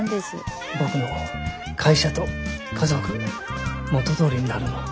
僕の会社と家族元どおりになるの？